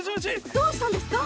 どうしたんですか？